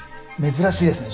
珍しいですね